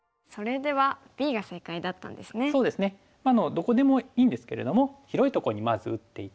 どこでもいいんですけれども広いところにまず打っていて。